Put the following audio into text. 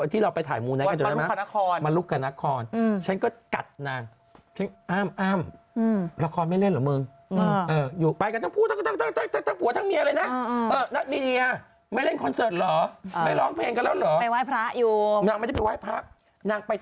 ที่เราไปถ่ายมูลไหนจริงนะ